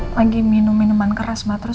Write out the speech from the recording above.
lagi minum minuman keras mbak terus